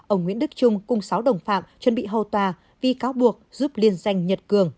ông nguyễn đức trung cùng sáu đồng phạm chuẩn bị hầu tòa vì cáo buộc giúp liên danh nhật cường